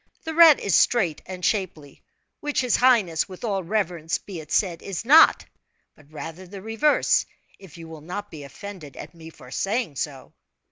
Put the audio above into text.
The rat is straight and shapely which his highness, with all reverence be it said is not, but rather the reverse, if you will not be offended at me for saying so."